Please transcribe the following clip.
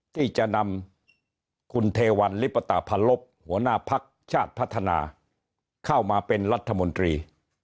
ที่จะนำคุณเทวันลิปตาพันลบหัวหน้าพักชาติพัฒนาเข้ามาเป็นรัฐมนตรี